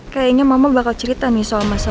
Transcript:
kayaknya mama bakal cerita nih soal masa